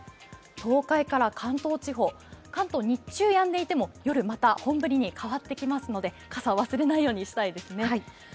東海から関東地方、関東は日中はやんでいても夜、また本降りに変わってきますので傘を忘れないようにしたいですね。